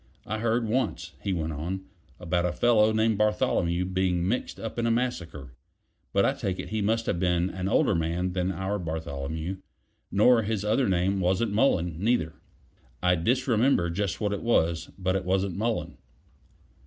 "I heard once," he went on, "about a fellow named Bartholomew being mixed up in a massacre. But I take it he must have been an older man than our Bartholomew nor his other name wasn't Mullen, neither. I disremember just what it was; but it wasn't Mullen."